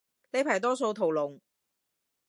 呢排多數屠龍